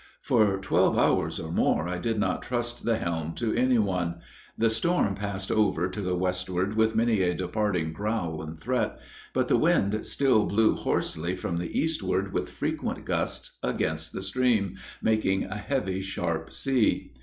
For twelve hours or more I did not trust the helm to any one. The storm passed over to the westward with many a departing growl and threat. But the wind still blew hoarsely from the eastward with frequent gusts against the stream, making a heavy, sharp sea.